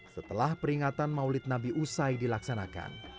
setelah peringatan maulid nabi usai dilaksanakan